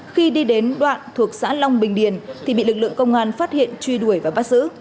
khi đi đến đoạn thuộc xã long bình điền thì bị lực lượng công an phát hiện truy đuổi và bắt giữ